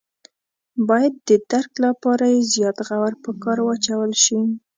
باید د درک لپاره یې زیات غور په کار واچول شي.